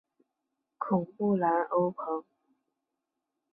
孔布兰欧蓬。